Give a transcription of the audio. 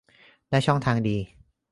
ได้ช่องทางดี